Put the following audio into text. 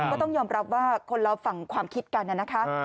ก็ต้องยอมรับว่าคนเราฝั่งความคิดกันนะคะ